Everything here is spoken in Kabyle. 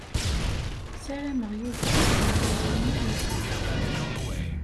Ssarameɣ Yuba ad yili yumer.